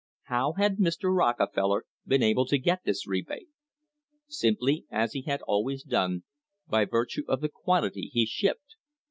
How had Mr. Rockefeller been able to get this rebate? Simply as he had always done — by virtue of the quantity he shipped.